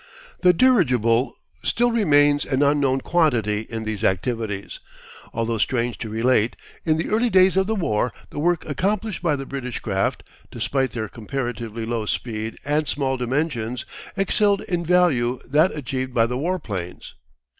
The dirigible still remains an unknown quantity in these activities, although strange to relate, in the early days of the war, the work accomplished by the British craft, despite their comparatively low speed and small dimensions, excelled in value that achieved by the warplanes.